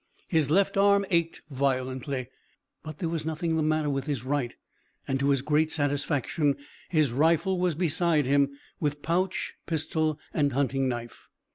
His left arm ached violently, but there was nothing the matter with his right, and to his great satisfaction his rifle was beside him, with pouch, pistol, and hunting knife.